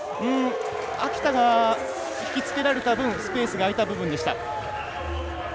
秋田が引きつけられたぶんスペースがあいた部分でした。